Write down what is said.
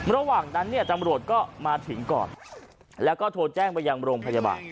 ระหว่างนั้นเนี่ยตำรวจก็มาถึงก่อนแล้วก็โทรแจ้งไปยังโรงพยาบาล